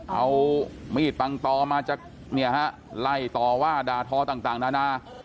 เอามีดปังตอมาจากเนี่ยฮะไล่ต่อว่าด่าทอต่างนานา